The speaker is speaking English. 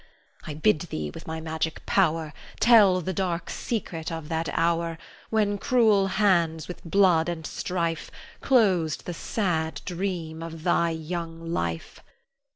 I bid thee, with my magic power, Tell the dark secret of that hour When cruel hands, with blood and strife, Closed the sad dream of thy young life.